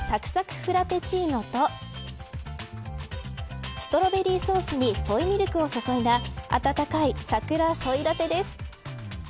フラペチーノとストロベリーソースにソイミルクを注いだ温かい、さくらソイラテです。